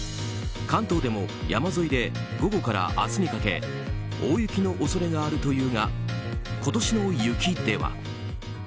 関東でも山沿いで午後から明日にかけ大雪の恐れがあるというが今年の雪では。